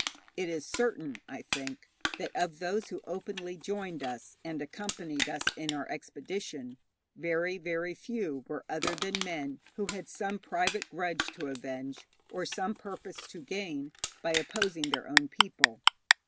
It is certain, I think, that of those who openly joined us and accompanied us in our expedition, very, very few were other than men who had some private grudge to avenge, or some purpose to gain, by opposing their own people.